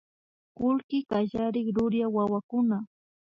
Kullki kallarik rurya wawakuna